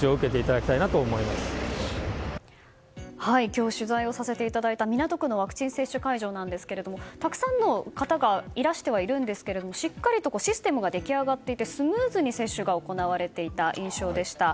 今日、取材をさせていただいた港区のワクチン接種会場ですがたくさんの方がいらしてはいるんですけどしっかりとシステムが出来上がっていてスムーズに接種が行われていた印象でした。